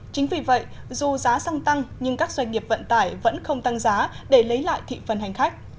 chính vì vậy dù giá xăng tăng nhưng các doanh nghiệp vận tải vẫn không tăng giá để lấy lại thị phần hành khách